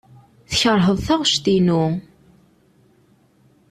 Tkeṛheḍ taɣect-inu.